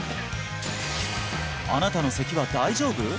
あなたの咳は大丈夫？